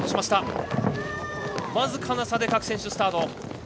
僅かな差で各選手がスタート。